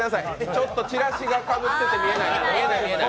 ちょっとチラシがかぶってて見えない、見えない。